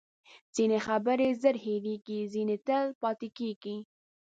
ځینې خبرې زر هیرېږي، ځینې تل پاتې کېږي.